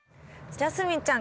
ジャスミンちゃん